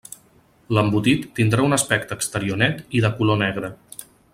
L'embotit tindrà un aspecte exterior net i de color negre.